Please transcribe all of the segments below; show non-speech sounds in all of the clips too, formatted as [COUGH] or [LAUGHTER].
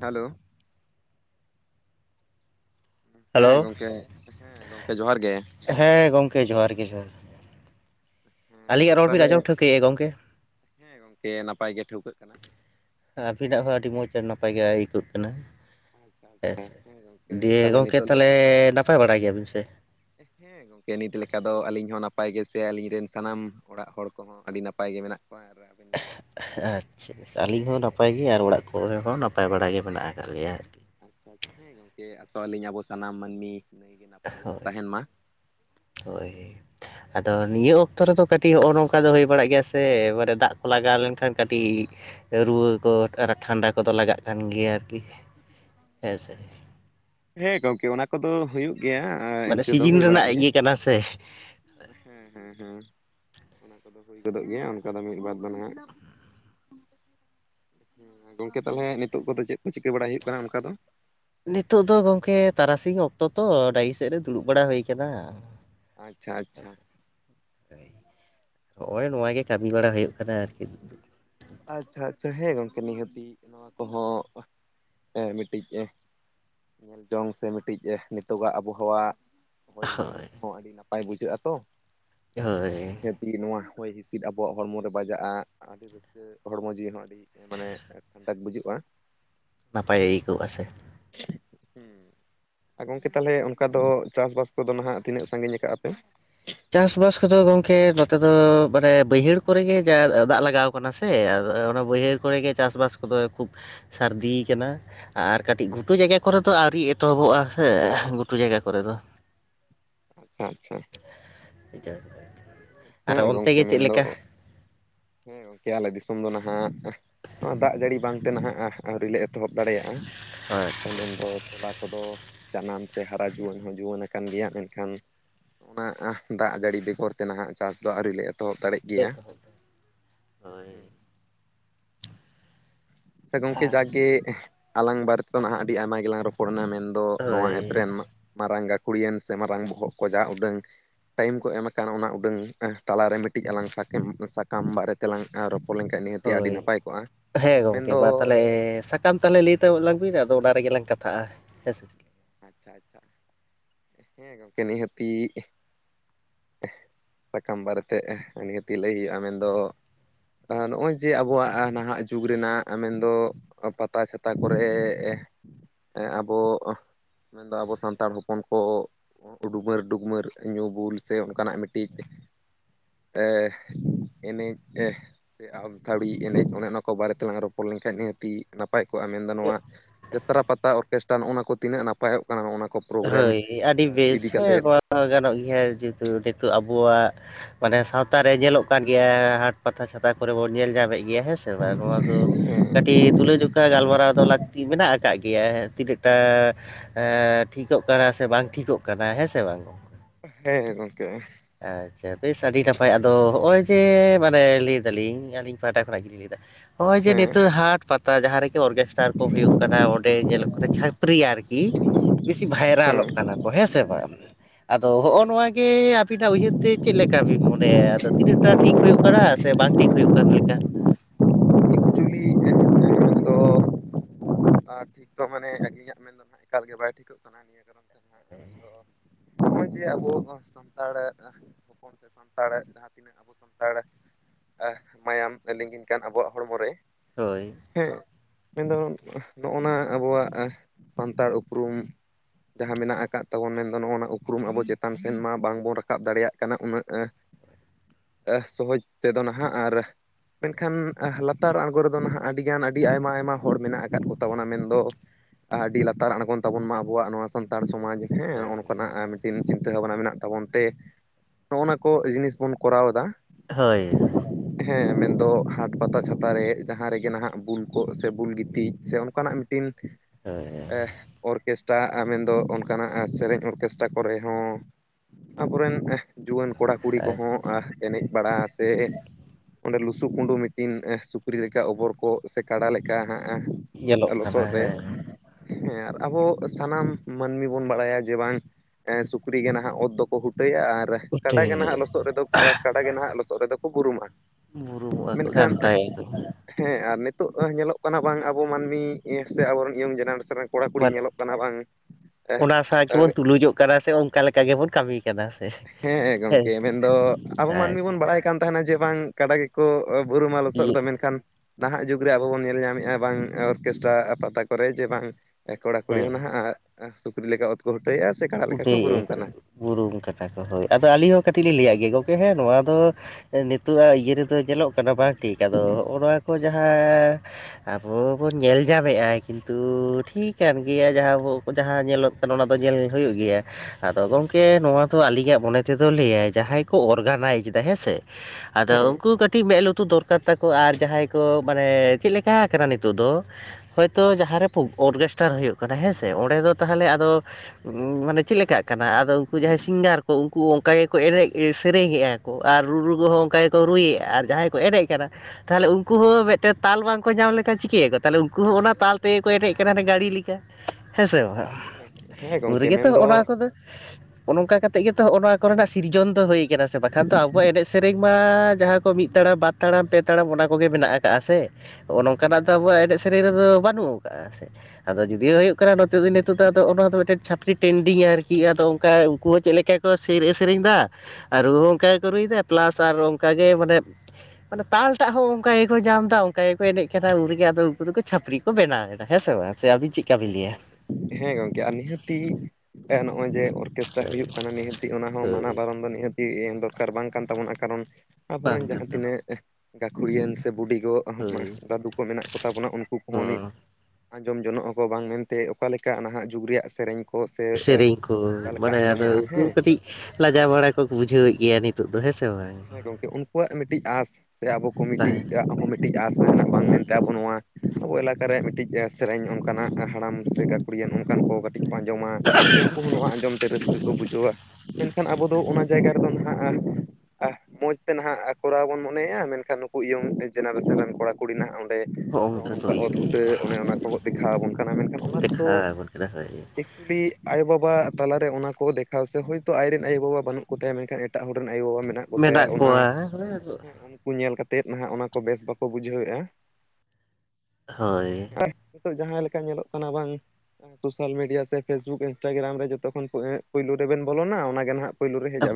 Hello. ᱦᱮᱸ hello ᱜᱚᱝᱠᱮ, ᱦᱮᱸ ᱜᱚᱝᱠᱮ ᱡᱚᱸᱦᱟᱨ ᱜᱮ᱾ ᱦᱮᱸ ᱜᱚᱝᱠᱮ ᱡᱚᱸᱦᱟᱨ ᱜᱮ ᱡᱚᱸᱦᱟᱨ᱾ ᱦᱮᱸ ᱜᱚᱝᱠᱮ ᱛᱟᱦᱚᱞᱮ, ᱟᱸᱡᱚᱢ ᱴᱷᱟᱹᱣᱠᱟᱹᱭᱮᱫᱼᱟ ᱜᱚᱢᱠᱮ ᱦᱮᱸ ᱜᱚᱝᱠᱮ ᱱᱟᱯᱟᱭ ᱜᱮ ᱴᱷᱟᱹᱣᱠᱟᱹᱜ ᱠᱟᱱᱟ᱾ ᱟᱹᱵᱤᱱᱟᱜ ᱦᱚᱸ ᱟᱹᱰᱤ ᱢᱚᱸᱡᱽ ᱱᱟᱯᱟᱭ ᱜᱮ ᱟᱹᱭᱠᱟᱹᱜ ᱠᱟᱱᱟ᱾ ᱟᱪᱪᱷᱟ ᱦᱮᱸ ᱟᱪᱪᱷᱟ ᱥᱮ, ᱜᱚᱝᱠᱮ ᱫᱤᱭᱮ ᱛᱟᱦᱚᱞᱮ ᱜᱚᱝᱠᱮ ᱱᱤᱛᱚᱜ ᱛᱟᱦᱞᱮ ᱱᱟᱯᱟᱭ ᱵᱟᱲᱟ ᱜᱮᱭᱟᱵᱤᱱ ᱥᱮ? ᱦᱮᱸ ᱜᱚᱝᱠᱮ ᱱᱤᱛ ᱞᱮᱠᱟ ᱫᱚ ᱟᱹᱞᱤᱧ ᱦᱚᱸ ᱱᱟᱯᱟᱭ ᱜᱮ ᱥᱮ ᱟᱹᱞᱤᱧ ᱨᱮᱱ ᱥᱟᱱᱟᱢ ᱚᱲᱟᱜ ᱦᱚᱲ ᱠᱚᱦᱚᱸ ᱟᱹᱰᱤ ᱱᱟᱯᱟᱭᱜ ᱜᱮ ᱢᱮᱱᱟᱜ ᱠᱚᱣᱟ, ᱟᱨ ᱟᱵᱮᱱ ᱜᱮ? ᱟᱪᱪᱷᱟ, ᱟᱹᱞᱤᱧ ᱦᱚᱸ ᱱᱟᱯᱟᱭ ᱜᱮ ᱟᱨ ᱚᱲᱟᱜ ᱠᱚᱨᱮ ᱦᱚᱸ ᱱᱟᱯᱟᱭ ᱵᱟᱲᱟ ᱜᱮ ᱢᱮᱱᱟᱜ ᱟᱠᱟᱫ ᱞᱮᱭᱟ᱾ ᱟᱪᱪᱷᱟ ᱟᱪᱪᱷᱟ ᱦᱮᱸ ᱜᱚᱝᱠᱮ ᱟᱥᱚᱜ ᱟᱹᱞᱤᱧ ᱟᱵᱚ ᱥᱟᱱᱟᱢ ᱢᱟᱹᱱᱢᱤ ᱱᱟᱹᱭᱜᱮ ᱱᱟᱯᱟᱭ ᱜᱮᱵᱚᱱ ᱦᱳᱭ ᱛᱟᱦᱮᱱ ᱢᱟ᱾ ᱦᱳᱭ᱾ ᱟᱫᱚ ᱱᱤᱭᱟᱹ ᱚᱠᱛᱚ ᱨᱮᱫᱚ ᱠᱟᱹᱴᱤᱡ ᱦᱚᱸᱜᱼᱚ ᱱᱚᱝᱠᱟ ᱫᱚ ᱦᱩᱭ ᱵᱟᱲᱟᱜ ᱜᱮᱭᱟ ᱥᱮ ᱢᱟᱱᱮ ᱫᱟᱜ ᱠᱚ ᱞᱟᱜᱟᱣ ᱞᱮᱱᱠᱷᱟᱱ ᱠᱟᱹᱴᱤᱡ ᱨᱩᱣᱟᱹ ᱠᱚ ᱨᱟ ᱴᱷᱟᱱᱰᱟ ᱠᱚᱫᱚ ᱞᱟᱜᱟᱜ ᱠᱟᱱ ᱜᱮᱭᱟ ᱟᱨᱠᱤ, ᱦᱮᱸ ᱥᱮ? ᱦᱮᱸ ᱜᱚᱝᱠᱮ ᱚᱱᱟ ᱠᱚᱫᱚ ᱦᱩᱭᱩᱜ ᱜᱮᱭᱟ᱾ ᱢᱟᱱᱮ ᱤᱱᱠᱟᱹ ᱫᱚ ᱥᱤᱡᱤᱱ ᱦᱩᱭ ᱵᱟᱲᱟᱜ ᱨᱮᱱᱟᱜ ᱜᱮᱭᱟ ᱤᱭᱟᱹ ᱠᱟᱱᱟ ᱥᱮ ᱾ ᱦᱮᱸ ᱦᱮᱸ-ᱦᱮᱸ ᱾ ᱚᱱᱟ ᱠᱚᱫᱚ ᱦᱩᱭ ᱜᱚᱫᱚᱜ ᱜᱮᱭᱟ ᱚᱱᱠᱟ ᱫᱚ ᱢᱤᱫᱵᱟᱨ ᱫᱚ ᱱᱟᱜ ᱾ [INAUDIBLE] ᱜᱚᱝᱠᱮ ᱛᱟᱦᱞᱮ ᱱᱤᱛᱳᱜ ᱠᱚᱫᱚ ᱪᱮᱫ ᱠᱚ ᱪᱤᱠᱟᱹ ᱵᱟᱲᱟᱭ ᱦᱩᱭᱩᱜ ᱠᱟᱱᱟ ᱚᱱᱠᱟ ᱫᱚ? ᱱᱤᱛᱚᱜ ᱫᱚ ᱜᱚᱝᱠᱮ ᱛᱟᱨᱟᱥᱤᱧ ᱚᱠᱛᱚ ᱛᱚ ᱰᱟᱹᱦᱤ ᱥᱮᱫ ᱨᱮ ᱫᱩᱲᱩᱵ ᱵᱟᱲᱟ ᱦᱩᱭ ᱟᱠᱟᱱᱟ ᱾ ᱟᱪᱪᱷᱟ ᱟᱪᱪᱷᱟ ᱾ [INAUDIBLE] ᱦᱚᱜᱼᱚᱭ ᱱᱚᱣᱟ ᱜᱮ ᱠᱟᱹᱢᱤ ᱵᱟᱲᱟ ᱦᱩᱭᱩᱜ ᱠᱟᱱᱟ ᱟᱨᱠᱤ ᱾ ᱟᱪᱪᱷᱟ ᱟᱪᱪᱷᱟ ᱦᱮᱸ ᱜᱚᱝᱠᱮ ᱱᱤᱦᱟᱹᱛᱤ [INAUDIBLE] ᱱᱚᱣᱟ ᱠᱚᱦᱚᱸ [INAUDIBLE] ᱦᱮᱸ ᱢᱤᱫᱴᱤᱡ ᱧᱮᱞ ᱡᱚᱝ ᱥᱮ ᱢᱤᱫᱴᱤᱡ ᱱᱤᱛᱚᱜᱟᱜ ᱟᱵᱚᱦᱟᱣᱟ ᱦᱚᱭ ᱦᱤᱸᱥᱤᱫ ᱦᱚᱸ ᱟᱹᱰᱤ ᱱᱟᱯᱟᱭ ᱵᱩᱡᱷᱟᱹᱜᱼᱟ ᱛᱚ ᱾ [INAUDIBLE] ᱦᱮᱸ ᱟᱨ ᱦᱳᱭ ᱱᱤᱦᱟᱹᱛ ᱤ ᱱᱚᱣᱟ ᱦᱚᱭ ᱦᱤᱸᱥᱤᱫ ᱟᱵᱚᱣᱟᱜ ᱦᱚᱲᱢᱚ ᱨᱮ ᱵᱟᱡᱟᱜᱼᱟ ᱟᱹᱰᱤ ᱨᱟᱹᱥᱠ ᱟᱹ ᱦᱚᱲᱢᱚ ᱡᱤᱣᱤ ᱦᱚᱸ ᱟᱹᱰᱤ ᱢᱟᱱᱮ ᱴᱷᱟᱱᱰᱟ ᱵᱩᱡᱩᱜᱼᱟ ᱾ ᱱᱟᱯᱟᱭ ᱮ ᱟᱹᱭᱠᱟᱹᱜᱼᱟ ᱥᱮ ᱾ [INAUDIBLE] ᱦᱩᱸ ᱾ ᱟᱨ ᱜᱚᱢᱠᱮ ᱛᱟᱦᱚᱞᱮ ᱚᱱᱠᱟ ᱫᱚ ᱪᱟᱥᱵᱟᱥ ᱠᱚᱫᱚ ᱦᱟᱜ ᱛᱤᱱᱟᱹᱜ ᱥᱟᱺᱜᱤᱧ ᱟᱠᱟᱜᱼᱟ ᱯᱮ? ᱪᱟᱥᱵᱟᱥ ᱠᱚᱫᱚ ᱜᱚᱝᱠᱮ ᱱᱚᱛᱮ ᱫᱚ ᱢᱟᱱᱮ ᱵᱟᱹᱭᱦᱟᱹᱲ ᱠᱚᱨᱮᱜ ᱜᱮ ᱡᱟ ᱫᱟᱜ ᱞᱟᱜᱟᱣ ᱠᱟᱱᱟ ᱥᱮ ᱟᱫᱚ ᱚᱱᱟ ᱵᱟᱹᱭᱦᱟᱹᱲ ᱠᱚᱨᱮ ᱜᱮ ᱪᱟᱥᱵᱟᱥ ᱠᱚᱫᱚ ᱠᱷᱩᱵ ᱥᱟᱨᱫᱤ ᱟᱠᱟᱱᱟ ᱾ ᱟᱨ ᱠᱟᱹᱴᱤᱡ ᱜᱷᱩᱴᱩ ᱡᱟᱭᱜᱟ ᱠᱚᱨᱮᱫ ᱫᱚ ᱟᱹᱣᱨᱤ ᱮᱛᱚᱦᱚᱵᱚᱜᱼᱟ ᱦᱮ ᱜᱷᱩᱴᱩ ᱡᱟᱭᱜᱟ ᱠᱚᱨᱮ ᱫᱚ ᱾ ᱟᱪᱪᱷᱟ ᱟᱪᱪᱷᱟ ᱾ [INAUDIBLE] ᱟᱨ ᱦᱮᱸ ᱚᱱᱛᱮ ᱜᱚᱝᱠᱮ ᱜᱮ ᱢᱮᱱᱫᱚ ᱪᱮᱫᱞᱮᱠᱟ? ᱦᱮᱸ ᱜᱚᱢᱠᱮ ᱟᱞᱮ ᱫᱤᱥᱚᱢ ᱫᱚ ᱱᱟᱦᱟᱜ ᱱᱚᱣᱟ ᱫᱟᱜ ᱡᱟᱹᱲᱤ ᱵᱟᱝᱛᱮ ᱱᱟᱦᱟᱜ ᱟᱹᱣᱨᱤ ᱞᱮ ᱮᱛᱚᱦᱚᱵ ᱫᱟᱲᱮᱭᱟᱜᱼᱟ ᱦᱳᱭ ᱾ [UNINTELLIGIBLE] ᱫᱚ ᱛᱚᱞᱟ ᱠᱚᱫᱚ ᱡᱟᱱᱟᱢ ᱥᱮ ᱦᱟᱨᱟ ᱡᱩᱣᱟᱹᱱ ᱦᱚᱸ ᱡᱩᱣᱟᱹᱱ ᱟᱠᱟᱱ ᱜᱮᱭᱟ ᱾ ᱢᱮᱱᱠᱷᱟᱱ ᱚᱱᱟ ᱫᱟᱜ ᱡᱟᱹᱲᱤ ᱵᱮᱜᱚᱨ ᱛᱮ ᱱᱟᱦᱟᱜ ᱪᱟᱥ ᱫᱚ ᱟᱹᱣᱨᱤ ᱞᱮ ᱮᱛᱚᱦᱚᱵ ᱫᱟᱲᱮᱜ ᱜᱮᱭᱟ [INAUDIBLE] ᱱᱚᱜᱼᱚᱭ ᱥᱮ ᱜᱚᱢᱠᱮ ᱡᱟᱠ ᱜᱮ ᱟᱞᱟᱝ ᱵᱟᱨᱮ ᱛᱮᱫᱚ ᱱᱟᱦᱟᱜ ᱟᱹᱰᱤ ᱟᱭᱢᱟ ᱜᱮᱞᱟᱝ ᱨᱚᱯᱚᱲ ᱮᱱᱟ ᱢᱮᱱ ᱫᱚ ᱱᱚᱣᱟ ᱦᱳᱭ ᱮᱯ ᱨᱮᱱ ᱢᱟᱨᱟᱝ ᱜᱟᱹᱠᱷᱩᱲᱤᱭᱟᱹᱱ ᱥᱮ ᱢᱟᱨᱟᱝ ᱵᱚᱦᱚᱜ ᱠᱚ ᱡᱟ ᱩᱰᱟᱹᱝ ᱴᱟᱭᱤᱢ ᱠᱚ ᱮᱢ ᱟᱠᱟᱱ ᱚᱱᱟ ᱩᱰᱟᱹᱝ ᱛᱟᱞᱟ ᱨᱮ ᱢᱤᱫᱴᱤᱡ ᱟᱞᱟᱝ ᱥᱟᱠᱟᱢ ᱥᱟᱠᱟᱢ ᱵᱟᱨᱮ ᱛᱮᱞᱟᱝ ᱨᱚᱯᱚᱲ ᱞᱮᱱᱠᱷᱟᱱ ᱱᱤᱦᱟᱹᱛᱤ ᱟᱹᱰᱤ ᱦᱳᱭ ᱱᱟᱯᱟᱭ ᱠᱚᱜᱼᱟ ᱾ ᱦᱮᱸ ᱜᱚᱝᱠᱮ ᱢᱟ ᱛᱟᱦᱚᱞᱮ ᱥᱟᱠᱟᱢ ᱛᱟᱦᱚᱞᱮ ᱞᱟᱹᱭ ᱛᱟᱞᱟᱝ ᱵᱤᱱ ᱟᱫᱚ ᱚᱱᱟ ᱨᱮᱜᱮᱞᱟᱝ ᱠᱟᱛᱷᱟᱜ-ᱟ ᱦᱮᱸ ᱥᱮ ᱾ ᱟᱪᱪᱷᱟ ᱟᱪᱪᱷᱟ ᱾ ᱦᱮᱸ ᱜᱚᱢᱠᱮ ᱱᱤᱦᱟᱹᱛᱤ [INAUDIBLE] ᱥᱟᱠᱟᱢ ᱵᱟᱨᱮᱛᱮ ᱱᱤᱦᱟᱹ ᱛ ᱞᱟᱹᱭ ᱦᱩᱭᱩᱜᱼᱟ ᱢᱮᱱᱫᱚ ᱱᱚᱜᱼᱚᱭ ᱡᱮ ᱟᱵᱚᱣᱟᱜ ᱱᱟᱦᱟᱜ ᱡᱩᱜᱽ ᱨᱮᱱᱟᱜ ᱢᱮᱱᱫᱚ ᱯᱟᱛᱟ ᱪᱷᱟᱛᱟ ᱠᱚᱨᱮ ᱮ [INAUDIBLE] ᱟᱵᱚ ᱢᱮᱱᱫᱚ ᱟᱵᱚ ᱥᱟᱱᱛᱟᱲ ᱦᱚᱯᱚᱱ ᱠᱚ ᱩᱰᱩᱢᱟᱹᱨ ᱰᱩᱠᱢᱟᱹᱨ ᱧᱩ ᱵᱩᱞ ᱥᱮ ᱚᱱᱠᱟᱱᱟᱜ ᱢᱤᱫᱴᱤᱡ ᱮ [INAUDIBLE] ᱮᱱᱮᱡ ᱮ ᱥᱮ ᱟᱢᱛᱷᱟᱲᱤ ᱮᱱᱮᱡ ᱚᱱᱮ ᱚᱱᱟ ᱠᱚ ᱵᱟᱨᱮ ᱛᱮᱞᱟᱝ ᱨᱚᱯᱚᱲ ᱞᱮᱱᱠᱷᱟᱡ ᱱᱤᱦᱟᱹᱛᱤ ᱱᱟᱯᱟᱭ ᱠᱚᱜᱼᱟ ᱢᱮᱱᱫᱚ ᱱᱚᱣᱟ ᱡᱟᱛᱨᱟ ᱯᱟᱛᱟ ᱚᱨᱠᱮᱥᱴᱟᱨ ᱱᱚᱜᱼᱚ ᱱᱟ ᱠᱚ ᱛᱤᱱᱟᱹᱜ ᱱᱟᱯᱟᱭᱚᱜ ᱠᱟᱱᱟ ᱱᱚᱜᱼᱚ ᱱᱟ ᱠᱚ ᱯᱨᱳᱜᱨᱟᱢ ᱦᱳᱭ ᱟᱹᱰᱤ ᱵᱮᱥ ᱤᱫᱤ ᱦᱮ ᱠᱟᱛᱮᱫ ᱱᱚᱣᱟ ᱦᱚ ᱜᱟᱱᱚᱜ ᱜᱮᱭᱟ ᱡᱮᱦᱮᱛᱩ ᱱᱤᱛᱚᱜ ᱟᱵᱚᱣᱟᱜ ᱢᱟᱱᱮ ᱥᱟᱶᱛᱟ ᱨᱮ ᱧᱮᱞᱚᱜ ᱠᱟᱱ ᱜᱮᱭᱟ ᱦᱟᱴ ᱯᱟᱛᱟ ᱪᱷᱟᱛᱟ ᱠᱚᱨᱮ ᱵᱚᱱ ᱧᱮᱞ ᱧᱟᱢᱮᱫ ᱜᱮᱭᱟ ᱦᱮᱸ ᱥᱮ ᱵᱟᱝ ᱾ ᱱᱚᱣᱟ ᱫᱚ ᱦᱮᱸ ᱠᱟᱹᱴᱤᱡ ᱛᱩᱞᱟᱹ ᱡᱚᱠᱷᱟ ᱜᱟᱞᱢᱟᱨᱟᱣ ᱫᱚ ᱞᱟᱹᱠᱛᱤ ᱢᱮᱱᱟᱜ ᱠᱟᱜ ᱜᱮᱭᱟ ᱦᱮ ᱛᱤᱱᱟᱹᱜ ᱴᱟ ᱮ ᱴᱷᱤᱠᱚᱜ ᱠᱟᱱᱟ ᱥᱮ ᱵᱟᱝ ᱴᱷᱤᱠᱚᱜ ᱠᱟᱱᱟ ᱦᱮᱸᱥᱮ ᱵᱟᱝ? ᱦᱮᱸ ᱜᱚᱢᱠᱮ ᱾ ᱟᱪᱪᱷᱟ ᱵᱮᱥ ᱟᱹᱰᱤ ᱱᱟᱯᱟᱭ, ᱟᱫᱚ ᱦᱚᱸᱜᱼᱚᱭ ᱡᱮ ᱢᱟᱱᱮ ᱞᱟᱹᱭ ᱫᱟᱞᱤᱧ ᱟᱹᱞᱤᱧ ᱯᱟᱦᱟᱴᱟ ᱠᱷᱚᱱᱟᱜ ᱜᱮᱞᱤᱧ ᱞᱟᱹᱭ ᱮᱫᱟ ᱦᱚᱸᱜᱼᱚᱭ ᱡᱮ ᱦᱮᱸ ᱱᱤᱛᱚᱜ ᱦᱟᱴ ᱯᱟᱛᱟ ᱡᱟᱦᱟᱸ ᱨᱮᱜᱮ ᱚᱨᱜᱮᱥᱴᱟᱨ ᱠᱚ ᱦᱩᱭᱩᱜ ᱠᱟᱱᱟ ᱚᱸᱰᱮ ᱧᱮᱞᱚᱜ ᱠᱟᱱᱟ ᱪᱷᱟᱯᱨᱤ ᱟᱨᱠᱤ ᱵᱮᱥᱤ ᱦᱮᱸ ᱵᱷᱟᱭᱨᱟᱞᱚᱜ ᱠᱟᱱᱟ ᱠᱚ ᱦᱮᱸ ᱥᱮ ᱵᱟᱝ ᱟᱫᱚ ᱦᱚᱜᱼᱚ ᱦᱮᱸ ᱱᱟ ᱜᱮ ᱟᱹᱵᱤᱱᱟᱜ ᱩᱭᱦᱟᱹᱨ ᱛᱮ ᱪᱮᱫ ᱞᱮᱠᱟ ᱵᱤᱱ ᱢᱚᱱᱮᱭᱟ ᱟᱫᱚ ᱛᱤᱱᱟᱹᱜ ᱴᱟ ᱴᱷᱤᱠ ᱦᱩᱭᱩᱜ ᱠᱟᱱᱟ ᱥᱮ ᱵᱟᱝ ᱴᱷᱤᱠ ᱦᱩᱭᱩᱜ ᱠᱟᱱ ᱞᱮᱠᱟ? ᱮᱠᱪᱩᱭᱮᱞᱤ ᱢᱮᱱᱫᱚ ᱟᱨ ᱴᱷᱤᱠ ᱫᱚ ᱢᱟᱱᱮ ᱟᱹᱞᱤᱧᱟᱜ ᱢᱮᱱᱫᱚ ᱱᱟᱦᱟᱜ ᱮᱠᱟᱞ ᱜᱮ ᱵᱟᱭ ᱴᱷᱤᱠᱚᱜ ᱠᱟᱱᱟ ᱱᱤᱭᱟᱹ ᱠᱟᱨᱚᱱ ᱛᱮ ᱱᱚᱣᱟ ᱢᱮᱱᱫᱚ ᱦᱚᱸᱜᱼᱚᱭ ᱡᱮ ᱟᱵᱚ ᱥᱟᱱᱛᱟᱲ ᱦᱚᱯᱚᱱ ᱥᱮ ᱥᱟᱱᱛᱟᱲ ᱡᱟᱦᱟᱸ ᱛᱤᱱᱟᱹᱜ ᱟᱵᱚ ᱥᱟᱱᱛᱟᱲ [INAUDIBLE] ᱢᱟᱭᱟᱢ ᱞᱤᱸᱜᱤᱱ ᱠᱟᱱ ᱟᱵᱚᱣᱟᱜ ᱦᱚᱲᱢᱚ ᱨᱮ, ᱦᱳᱭ᱾ ᱦᱮᱸ ᱢᱮᱱᱫᱚ ᱱᱚᱜᱼᱚ ᱱᱟ ᱟᱵᱚᱣᱟᱜ ᱥᱟᱱᱛᱟᱲ ᱩᱯᱨᱩᱢ ᱡᱟᱦᱟᱸ ᱢᱮᱱᱟᱜ ᱟᱠᱟᱫ ᱛᱟᱵᱚᱱ ᱢᱮᱱᱫᱚ ᱱᱚᱜᱼᱚ ᱱᱟ ᱩᱯᱨᱩᱢ ᱟᱵᱚ ᱪᱮᱛᱟᱱ ᱥᱮᱱ ᱢᱟ ᱵᱟᱝᱵᱚᱱ ᱨᱟᱠᱟᱵ ᱫᱟᱲᱮᱭᱟᱜ ᱠᱟᱱᱟ ᱩᱱᱟᱹᱜ ᱮ ᱥᱚᱦᱚᱡᱽ ᱛᱮᱫᱚ ᱱᱟᱦᱟᱜ ᱟᱨ ᱢᱮᱱᱠᱷᱟᱱ ᱞᱟᱛᱟᱨ ᱟᱬᱜᱚ ᱨᱮᱫᱚ ᱱᱟᱦᱟᱜ ᱟᱹᱰᱤᱜᱟᱱ ᱟᱹᱰᱤ ᱟᱭᱢᱟ ᱟᱭᱢᱟ ᱦᱚᱲ ᱢᱮᱱᱟᱜ ᱟᱠᱟᱫ ᱠᱚᱣᱟ ᱾ ᱛᱟᱵᱚᱱᱟ ᱢᱮᱱᱫᱚ ᱟᱹᱰᱤ ᱞᱟᱛᱟᱨ ᱟᱸᱬᱜᱚᱱ ᱛᱟᱵᱚᱱᱟ ᱢᱟ ᱟᱵᱚᱣᱟᱜ ᱱᱚᱣᱟ ᱥᱟᱱᱛᱟᱲ ᱥᱚᱢᱟᱡᱽ ᱦᱮᱸ ᱦᱳᱭ ᱚᱱᱠᱟᱱᱟᱜ ᱢᱤᱫᱴᱤᱱ ᱪᱤᱛ ᱪᱤᱱᱛᱟᱹ ᱵᱷᱟᱵᱽᱱᱟ ᱢᱮᱱᱟᱜ ᱛᱟᱵᱚᱱ ᱛᱮ ᱱᱚᱜᱼᱚ ᱱᱟ ᱠᱚ ᱡᱤᱱᱤᱥ ᱵᱚᱱ ᱠᱚᱨᱟᱣ ᱮᱫᱟ। ᱦᱳᱭ᱾ [INAUDIBLE] ᱦᱮᱸ ᱢᱮᱱᱫᱚ ᱦᱟᱴ ᱯᱟᱛᱟ ᱪᱷᱟᱛᱟ ᱨᱮ ᱡᱟᱦᱟᱸ ᱨᱮᱜᱮ ᱱᱟᱦᱟᱜ ᱵᱩᱞ ᱠᱚ ᱥᱮ ᱵᱩᱞ ᱜᱤᱛᱤᱡ ᱥᱮ ᱚᱱᱠᱟᱱᱟᱜ ᱢᱤᱫᱴᱤᱱ ᱦᱳᱭ ᱚᱨᱠᱮᱥᱴᱟᱨ ᱢᱮᱱᱫᱚ ᱚᱱᱠᱟᱱᱟᱜ ᱥᱮᱨᱮᱧ ᱚᱨᱠᱮᱥᱴᱨᱟ ᱠᱚᱨᱮ ᱦᱚᱸ᱾ ᱟᱵᱚᱨᱮᱱ ᱡᱩᱣᱟᱹᱱ ᱠᱚᱲᱟ ᱠᱩᱲᱤ ᱦᱳᱭ ᱠᱚᱦᱚᱸ ᱮᱱᱮᱡ ᱵᱟᱲᱟ ᱥᱮ ᱚᱸᱰᱮ ᱞᱩᱥᱩ ᱯᱩᱸᱰᱩ ᱛᱤᱱ ᱥᱩᱠᱨᱤ ᱞᱮᱠᱟ ᱚᱵᱚᱨ ᱠᱚᱜ ᱥᱮ ᱠᱟᱰᱟ ᱞᱮᱠᱟ ᱦᱟᱸᱜ᱾ ᱧᱮᱞᱚᱜ ᱠᱟᱱᱟ ᱞᱚᱥᱚᱫ ᱨᱮ ᱦᱮᱸ ᱦᱮᱸ ᱟᱨ ᱟᱵᱚ ᱥᱟᱱᱟᱢ ᱢᱟᱹᱱᱢᱤ ᱵᱚᱱ ᱵᱟᱲᱟᱭᱟ ᱡᱮ ᱵᱟᱝ ᱥᱩᱠᱨᱤ ᱜᱮ ᱱᱟᱦᱟᱜ ᱚᱛ ᱫᱚᱠᱚ ᱦᱩᱴᱟᱹᱭᱟ ᱟᱨ ᱜᱚᱴᱮ ᱠᱟᱰᱟ ᱜᱮ ᱱᱟᱦᱟᱜ ᱞᱚᱥᱚᱫ ᱨᱮᱫᱚ ᱠᱟᱰᱟ ᱜᱮ ᱱᱟᱦᱟᱜ ᱞᱚᱥᱚᱫ ᱨᱮᱫᱚ ᱠᱚ ᱵᱩᱨᱩᱢᱟ᱾ ᱵᱩᱨᱩᱢᱚᱜᱼᱟ ᱠᱚ ᱢᱮᱱᱠᱷᱟᱱ ᱜᱷᱟᱱᱴᱟᱭᱟᱠᱚ ᱦᱮᱸ ᱟᱨ ᱱᱤᱛᱳᱜ ᱧᱮᱞᱚᱜ ᱠᱟᱱᱟ ᱵᱟᱝ ᱟᱵᱚ ᱟᱵᱚ ᱢᱟᱹᱱᱢᱤ ᱥᱮ ᱟᱵᱚᱨᱮᱱ ᱤᱭᱚᱝ ᱡᱮᱱᱟᱨᱮᱥᱚᱱ ᱠᱚ ᱢᱟᱱᱮ [INAUDIBLE] ᱚᱱᱟ ᱥᱟᱶ ᱛᱮᱵᱚᱱ ᱛᱩᱞᱩᱡᱚᱜ ᱠᱟᱱᱟ ᱥᱮ ᱚᱱᱠᱟ ᱞᱮᱠᱟ ᱜᱮᱵᱚᱱ ᱠᱟᱹᱢᱤ᱾ ᱠᱟᱫᱟ ᱥᱮ᱾ ᱦᱮᱸ ᱜᱚᱢᱠᱮ ᱢᱮᱱᱫᱚ ᱟᱵᱚ ᱢᱟᱹᱱᱢᱤ ᱟᱪᱪᱷᱟ ᱵᱚᱱ ᱵᱟᱲᱟᱭ ᱠᱟᱱ ᱛᱟᱦᱮᱸᱱᱟ ᱡᱮ ᱵᱟᱝ ᱠᱟᱰᱟ ᱜᱮᱠᱚ ᱵᱩᱨᱩᱢᱟ ᱞᱚᱥᱚᱫ ᱤᱭᱟᱹ ᱨᱮᱫᱚ ᱢᱮᱱᱠᱷᱟᱱ ᱱᱟᱦᱟᱜ ᱡᱩᱜᱽ ᱨᱮ ᱟᱵᱚ ᱵᱚᱱ ᱧᱮᱞ ᱧᱟᱢᱮᱫᱼᱟ ᱵᱟᱝ ᱚᱨᱠᱮᱥᱴᱨᱟ ᱟᱨ ᱯᱟᱛᱟ ᱠᱚᱨᱮ ᱡᱮ ᱵᱟᱝᱼᱼ ᱠᱚᱲᱟ ᱠᱩᱲᱤ ᱦᱮᱸ ᱦᱚᱸ ᱱᱟᱦᱟᱜ ᱥᱩᱠᱨᱤ ᱞᱮᱠᱟ ᱚᱛ ᱦᱩᱴᱟᱹᱭᱮᱜ-ᱟ ᱥᱮ ᱠᱟᱰᱟ ᱞᱮᱠᱟ ᱠᱚ ᱵᱩᱨᱩᱢ ᱩᱴᱟᱹᱭᱮᱫ ᱠᱟᱱᱟ᱾ ᱵᱩᱨᱩᱢ ᱠᱟᱱᱟ ᱠᱚ ᱦᱳᱭ᱾ ᱟᱫᱚ ᱟᱹᱞᱤᱧ ᱦᱚᱸ ᱠᱟᱹᱴᱤᱡ ᱞᱤᱧ ᱞᱟᱹᱭᱟᱜ ᱜᱮ ᱜᱚᱝᱠᱮ ᱦᱮᱸ ᱱᱚᱣᱟ ᱫᱚ ᱱᱤᱛᱚᱜ ᱟᱜ ᱤᱭᱟᱹ ᱨᱮ ᱱᱤᱛᱚᱜ ᱫᱚ ᱧᱮᱞᱚᱜ ᱠᱟᱱᱟ ᱵᱟᱝ ᱴᱷᱤᱠ ᱟᱫᱚ ᱦᱚᱸᱜ-ᱚ ᱱᱚᱣᱟ ᱠᱚ ᱡᱟᱦᱟᱸ ᱟᱵᱚ ᱵᱚᱱ ᱧᱮᱞ ᱧᱟᱢᱮᱜ-ᱟ ᱠᱤᱱᱛᱩ ᱴᱷᱤ ᱠᱟᱱ ᱜᱮᱭᱟ ᱡᱟᱦᱟᱸ ᱟᱵᱚ ᱡᱟᱦᱟᱸ ᱧᱮᱞᱚᱜ ᱠᱟᱱᱟ ᱚᱱᱟ ᱫᱚ ᱧᱮᱞ ᱦᱩᱭᱩᱜ ᱜᱮᱭᱟ᱾ ᱟᱫᱚ ᱜᱚᱢᱠᱮ ᱱᱚᱣᱟ ᱫᱚ ᱟᱞᱤᱧᱟᱜ ᱢᱚᱱᱮ ᱛᱮᱫᱚ ᱞᱟᱹᱭᱟ ᱡᱟᱦᱟᱸᱭ ᱠᱚ ᱚᱨᱜᱟᱱᱟᱭᱤᱡᱽ ᱮᱫᱟ ᱦᱮᱸᱥᱮ ᱟᱫᱚ ᱦᱮᱸ ᱩᱱᱠᱩ ᱠᱟᱹᱴᱤᱡ ᱢᱮᱫ ᱞᱩᱛᱩᱨ ᱫᱚᱨᱠᱟᱨ ᱛᱟᱠᱚ ᱟᱨ ᱡᱟᱦᱟᱸᱭ ᱠᱚ ᱢᱟᱱᱮ ᱪᱮᱫ ᱞᱮᱠᱟ ᱟᱠᱟᱱᱟ ᱱᱤᱛᱚᱜ ᱫᱚ ᱦᱳᱭᱛᱳ ᱡᱟᱦᱟᱸᱨᱮ ᱚᱨᱜᱮᱥᱴᱟᱨ ᱦᱩᱭᱩᱜ ᱠᱟᱱᱟ ᱦᱮᱸᱥᱮ ᱚᱸᱰᱮ ᱫᱚ ᱛᱟᱦᱚᱞᱮ ᱟᱫᱚ ᱢᱟᱱᱮ ᱪᱮᱫ ᱞᱮᱠᱟᱜ ᱠᱟᱱᱟ ᱟᱫᱚ ᱩᱱᱠᱩ ᱡᱟᱦᱟᱸᱭ ᱥᱤᱝᱜᱟᱨ ᱠᱚ ᱩᱱᱠᱩ ᱚᱱᱠᱟ ᱜᱮᱠᱚ ᱮᱱᱮᱡ ᱥᱮᱨᱮᱧᱮᱜᱼᱟ᱾ ᱚ ᱟᱨ ᱨᱩ ᱨᱩ ᱠᱚᱦᱚᱸ ᱚᱱᱠᱟ ᱜᱮᱠᱚ ᱨᱩᱭᱮᱫᱼᱟ ᱟᱨ ᱡᱟᱦᱟᱸᱭ ᱠᱚ ᱮᱱᱮᱡ ᱠᱟᱱᱟ ᱛᱟᱦᱚᱞᱮ ᱩᱱᱠᱩ ᱦᱚᱸ ᱢᱤᱫᱴᱮᱱ ᱛᱟᱞ ᱵᱟᱝᱠᱚ ᱧᱟᱢ ᱞᱮᱠᱷᱟᱱ ᱪᱤᱠᱟᱹᱭᱟᱠᱚ ᱛᱟᱦᱚᱞᱮ ᱩᱱᱠᱩ ᱦᱚᱸ ᱚᱱᱟ ᱛᱟᱞ ᱛᱮᱜᱮᱠᱚ ᱮᱱᱮᱡ ᱠᱟᱱᱟ ᱦᱟᱱᱮ ᱜᱟᱸᱲᱤ ᱦᱮᱸᱥᱮ ᱵᱟᱝ ᱦᱮᱸ ᱦᱮᱸ ᱩᱱ ᱜᱚᱝᱠᱮ ᱨᱮᱜᱮ ᱛᱚ ᱢᱮᱱᱫᱚ ᱦᱚᱜ-ᱚ ᱱᱚᱣᱟ ᱠᱚᱫᱚ ᱚᱱᱚᱝᱠᱟ ᱠᱟᱛᱮ ᱜᱮᱛᱚ ᱦᱚᱜᱼᱟ ᱱᱚᱣᱟ ᱠᱚᱨᱮᱱᱟᱜ ᱥᱤᱨᱡᱚᱱ ᱫᱚ ᱦᱩᱭᱟᱠᱟᱱᱟ ᱥᱮ ᱵᱟᱝᱠᱷᱟᱱ ᱫᱚ ᱟᱵᱚᱣᱟ ᱮᱱᱮᱡ ᱥᱮᱨᱮᱧ ᱢᱟ ᱡᱟᱦᱟᱸ ᱠᱚ ᱢᱤᱫ ᱛᱟᱲᱟᱢ ᱵᱟᱨ ᱛᱟᱲᱟᱢ ᱯᱮ ᱛᱟᱲᱟᱢ ᱚᱱᱟ ᱠᱚᱜᱮ ᱢᱮᱱᱟᱜ ᱟᱠᱟᱜᱼᱟ ᱥᱮ ᱱᱚᱜᱼᱚ ᱱᱚᱝᱠᱟᱱᱟᱜ ᱫᱚ ᱟᱵᱚᱣᱟᱜ ᱮᱱᱮᱡ ᱥᱮᱨᱮᱧ ᱨᱮᱫᱚ ᱵᱟᱹᱱᱩᱜ ᱠᱟᱜᱼᱟ ᱥᱮ, ᱟᱫᱚ ᱡᱩᱫᱤᱭᱳ ᱦᱩᱭᱩᱜ ᱠᱟᱱᱟ ᱱᱚᱛᱮ ᱱᱤᱛᱚᱜ ᱟᱫᱚ ᱚᱱᱟ ᱫᱚ ᱢᱤᱫᱴᱮᱱ ᱴᱨᱮᱱᱰᱤᱝᱟ ᱟᱨᱠᱤ ᱟᱫᱚ ᱚᱱᱠᱟ ᱩᱱᱠᱩ ᱦᱚᱸ ᱪᱮᱫ ᱞᱮᱠᱟ ᱠᱚ ᱥᱮᱨᱮᱼ ᱥᱮᱨᱮᱧ ᱮᱫᱟ ᱟᱨ ᱨᱩ ᱦᱚᱸ ᱚᱱᱠᱟ ᱜᱮᱠᱚ ᱨᱩᱭᱮᱫᱟ ᱯᱮᱞᱟᱥ ᱟᱨ ᱚᱱᱠᱟᱜ ᱜᱮ ᱢᱟᱱᱮ ᱢᱟᱱᱮ ᱛᱟᱞᱴᱟᱜ ᱦᱚᱸ ᱚᱱᱠᱟ ᱜᱮᱠᱚ ᱧᱟᱢ ᱮᱫᱟ ᱚᱱᱠᱟ ᱜᱮᱠᱚ ᱮᱱᱮᱡ ᱠᱟᱱᱟ ᱟᱫᱚ ᱩᱱ ᱨᱮᱜᱮ ᱟᱫᱚ ᱩᱱᱠᱩ ᱫᱚᱠᱚ ᱪᱟᱹᱯᱨᱤᱤ ᱠᱚ ᱵᱮᱱᱟᱣ ᱮᱱᱟ। ᱦᱮᱸ ᱥᱮ ᱵᱟᱝ ᱥᱮ ᱟᱵᱤᱱ ᱪᱤᱜ ᱦᱮᱸ ᱜᱚᱝᱠᱮ ᱟᱞᱤᱧ ᱦᱚᱸ ᱛᱮᱦᱤᱧ ᱱᱚᱜᱼᱚᱭ ᱡᱮ ᱚᱨ ᱠᱮᱥᱴᱟ ᱦᱩᱭᱩᱜ ᱠᱟᱱᱟ ᱱᱤᱦᱟᱹᱛᱤ ᱚᱱᱟ ᱦᱚᱸ ᱢᱟᱱᱟ ᱦᱳᱭ ᱵᱟᱨᱚᱱ ᱫᱚ ᱱᱤᱦᱟᱹᱛᱤ ᱫᱚᱨᱠᱟᱨ ᱵᱟᱝ ᱠᱟᱱ ᱛᱟᱵᱚᱱᱟ, ᱠᱟᱨᱚᱱ ᱟᱵᱚᱨᱮᱱ ᱵᱟᱝ ᱠᱟᱱ ᱡᱟᱦᱟᱸ ᱛᱟᱢ ᱛᱤᱱᱟᱹᱜ ᱜᱟᱹᱠᱷᱩᱲᱤᱭᱟᱱ ᱥᱮ ᱵᱩᱰᱤᱜᱚ, ᱦᱳᱭ ᱫᱟᱹᱫᱩ ᱠᱚ ᱢᱮᱱᱟᱜ ᱠᱚᱛᱟ ᱵᱚᱱᱟ ᱩᱱᱠᱩ ᱠᱚᱦᱚᱸ ᱦᱚᱸ ᱢᱤᱫ ᱟᱸᱡᱚᱢ ᱡᱚᱱᱚᱜ ᱟᱠᱚ। [UNINTELLIGIBLE] ᱵᱟᱝ ᱢᱮᱱᱛᱮ ᱚᱠᱟ ᱞᱮᱠᱟ ᱱᱟᱦᱟᱜ ᱡᱩᱜᱽ ᱨᱮᱭᱟᱜ ᱥᱮᱨᱮᱧ। ᱠᱚ ᱥᱮ ᱥᱮᱨᱮᱧ ᱠᱚ ᱚᱠᱟ ᱞᱮᱠᱟ ᱢᱟᱱᱮ ᱟᱫᱚ ᱟᱸᱡᱚᱢᱚᱜᱼᱟ ᱩᱱᱠᱩ ᱦᱮᱸ ᱠᱟᱹᱴᱤᱡ ᱞᱟᱡᱟ ᱦᱮᱸ ᱯᱟᱲᱟ ᱠᱚ ᱵᱩᱡᱷᱟᱹᱣᱮᱫ ᱜᱮᱭᱟ ᱱᱤᱛ ᱱᱤᱛᱚᱜ ᱫᱚ ᱦᱮᱸ ᱥᱮ ᱵᱟᱝ? ᱦᱮᱸ ᱜᱚᱝᱠᱮ ᱩᱱᱠᱩᱣᱟᱜ ᱢᱤᱫᱴᱤᱡ ᱟᱥ ᱥᱮ ᱟᱵᱚ ᱛᱟᱦᱮᱸ ᱠᱚᱢᱤᱴᱤᱭᱟᱜ ᱦᱚᱸ ᱢᱤᱫᱴᱤᱡ ᱟᱥ ᱛᱟᱦᱮᱱᱟ ᱵᱟᱝ ᱦᱳᱭ ᱢᱮᱱᱛᱮ ᱟᱵᱚ ᱱᱚᱣᱟ ᱟᱵᱚ ᱮᱞᱟᱠᱟᱨᱮ ᱢᱤᱫᱴᱤᱡ ᱥᱮᱨᱮᱧ ᱚᱱᱠᱟᱱᱟᱜ ᱦᱟᱲᱟᱢ ᱥᱮ ᱜᱟᱹᱠᱷᱩᱲᱤᱭᱟᱹᱱ ᱱᱚᱝᱠᱟᱱ ᱠᱚ ᱠᱚ ᱟᱸᱡᱚᱢᱟ ᱥᱮ ᱩᱱᱠᱩ ᱦᱚᱸ ᱱᱚᱣᱟ ᱟᱸᱡᱚᱢ ᱛᱮ ᱨᱟᱹᱥᱠᱟᱹ ᱠᱚ ᱵᱩᱡᱷᱟᱹᱣᱟ᱾ ᱢᱮᱱᱠᱷᱟᱱ ᱟᱵᱚ ᱫᱚ ᱚᱱᱟ ᱡᱟᱭᱜᱟ ᱨᱮᱫᱚ ᱦᱟᱜ ᱟ ᱢᱚᱡᱽ ᱛᱮ ᱱᱟᱦᱟᱜ ᱠᱚᱨᱟᱣ ᱵᱚᱱ ᱢᱚᱱᱮᱭᱮᱜ-ᱟ ᱢᱮᱱᱠᱷᱟᱱ ᱱᱩᱠᱩ ᱤᱭᱚᱝ ᱡᱮᱱᱟᱨᱮᱥᱚᱱ ᱨᱮᱱ ᱠᱚᱲᱟ ᱠᱩᱲᱤ ᱱᱟᱜ ᱚᱸᱰᱮ ᱱᱚᱜ ᱦᱚᱜᱼᱚᱝᱠᱟ ᱱᱚᱝᱠᱟ ᱠᱚ ᱚᱛ ᱦᱩᱴᱟᱹ ᱤᱭᱟᱹᱭᱮᱫᱟ ᱚᱱᱮ ᱚᱱᱟ ᱠᱚ ᱫᱮᱠᱷᱟᱣ ᱟᱵᱚᱱ ᱠᱟᱱᱟ᱾ ᱢᱮᱱᱠᱷᱟᱱ ᱚᱱᱟ ᱠᱚᱫᱚ ᱫᱮᱠᱷᱟᱣ ᱟᱵᱚᱱ ᱠᱟᱱᱟ ᱦᱳᱭ ᱮᱠᱪᱮᱞᱤ ᱟᱭᱳᱵᱟᱵᱟ ᱛᱟᱞᱟᱨᱮ ᱚᱱᱟ ᱠᱚ ᱫᱮᱠᱷᱟᱣ ᱥᱮ ᱦᱳᱭᱛᱳ ᱟᱡᱨᱮᱱ ᱟᱭᱳᱼᱵᱟ ᱵᱟᱹᱱᱩᱜ ᱠᱚ ᱛᱟᱭᱟ ᱢᱮᱱᱠᱷᱟᱱ ᱮᱴᱟᱜ ᱦᱚᱲ ᱨᱮᱱ ᱟᱭᱳᱼᱵᱟ ᱢᱮᱱᱟᱜ ᱠᱚᱛᱟᱭᱟ ᱚᱱᱟ ᱦᱮᱸ ᱩᱱᱠᱩ ᱧᱮᱞ ᱠᱟᱛᱮᱫ ᱱᱟᱦᱟᱜ ᱚᱱᱟ ᱠᱚ ᱵᱮᱥ ᱵᱟᱠᱚ ᱵᱩᱡᱷᱟᱹᱣᱮᱫᱼᱟ᱾ ᱦᱳᱭ ᱟᱨ ᱱᱤᱛᱚᱜ ᱡᱟᱦᱟᱸ ᱞᱮᱠᱟ ᱧᱮᱞᱚᱜ ᱠᱟᱱᱟ ᱵᱟᱝ ᱥᱳᱥᱟᱞ ᱢᱤᱰᱤᱭᱟ ᱥᱮ ᱯᱷᱮᱥᱵᱩᱠ ᱤᱱᱥᱴᱟᱜᱨᱟᱢ ᱨᱮ ᱡᱚᱛᱚ ᱠᱷᱚᱱ ᱯᱳᱭᱞᱳ ᱨᱮᱵᱮᱱ ᱵᱚᱞᱚᱱᱟ ᱚᱱᱟᱜᱮ ᱱᱟᱱᱟᱜ